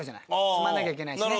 積まなきゃいけないしね。